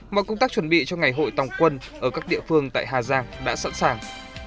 mọi công tác chuẩn bị cho ngày hội tòng quân ở các địa phương tại hà giang đã sẵn sàng